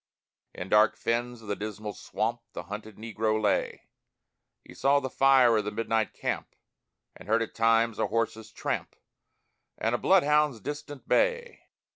In dark fens of the Dismal Swamp The hunted Negro lay; He saw the fire of the midnight camp, And heard at times a horse's tramp And a bloodhound's distant bay.